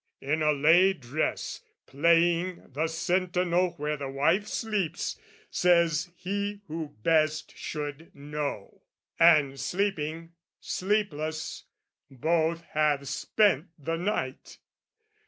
In a lay dress, playing the sentinel Where the wife sleeps (says he who best should know) And sleeping, sleepless, both have spent the night!